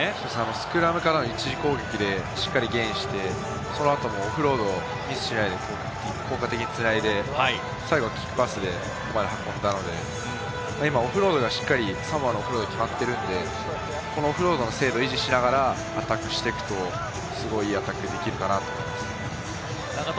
スクラムからの一次攻撃でしっかりゲインして、その後もオフロード、ミスしないで効果的に繋いで、最後はキックパスで運んだので、今、オフロードはしっかりサモアのオフロードが決まっているので、オフロードの精度を維持しながらアタックしていくとすごくいいアタックができるかなと思います。